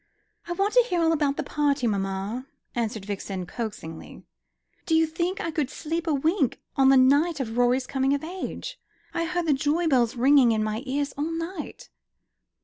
"I want to hear all about the party, mamma," answered Vixen coaxingly. "Do you think I could sleep a wink on the night of Rorie's coming of age? I heard the joy bells ringing in my ears all night."